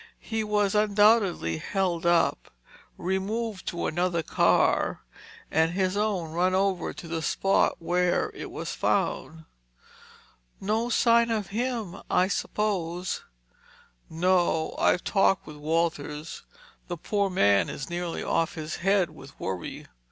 "He was undoubtedly held up, removed to another car and his own run over to the spot where it was found." "No sign of him, I suppose?" "No. I've talked with Walters. The poor man is nearly off his head with worry.